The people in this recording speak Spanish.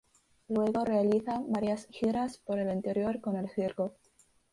Luego realiza varias giras por el interior con el circo.